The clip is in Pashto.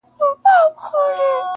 کله کله یې سکوت هم مسؤلیت دی ,